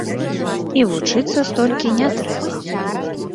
І вучыцца столькі не трэба.